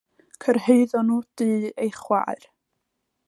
Cyrhaeddon nhw dŷ ei chwaer.